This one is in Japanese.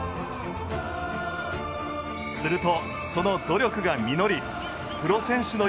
するとその努力が実り。